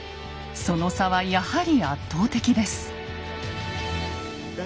その差はやはり圧倒的です。